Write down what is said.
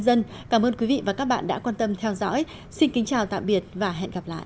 dân cảm ơn quý vị và các bạn đã quan tâm theo dõi xin kính chào tạm biệt và hẹn gặp lại